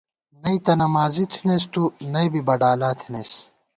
نئ تہ نمازی تھنَئیس تُو ، نئ بی بڈالا تھنَئیس